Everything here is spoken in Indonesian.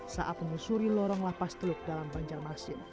saat menyusuri lorong lapas teluk dalam banjarmasin